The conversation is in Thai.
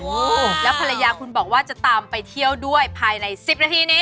โอ้โหแล้วภรรยาคุณบอกว่าจะตามไปเที่ยวด้วยภายใน๑๐นาทีนี้